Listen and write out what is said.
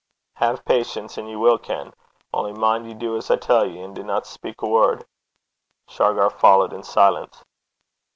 'Hae patience, and ye will ken. Only mind ye do as I tell ye, and dinna speik a word.' Shargar followed in silence.